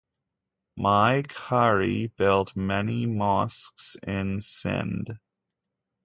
Mai Khairi built many mosques in Sindh.